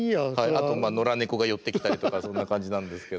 あと野良猫が寄ってきたりとかそんな感じなんですけど。